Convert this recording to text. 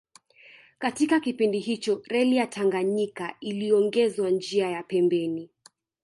Katika kipindi hicho Reli ya Tanganyika iliongezwa njia ya pembeni